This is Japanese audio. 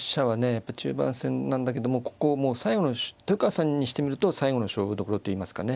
やっぱり中盤戦なんだけれどもここはもう最後の豊川さんにしてみると最後の勝負どころと言いますかね。